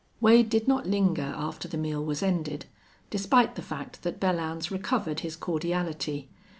Wade did not linger after the meal was ended despite the fact that Belllounds recovered his cordiality.